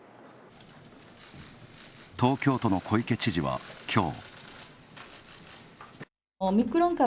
東京都の小池知事は、きょう。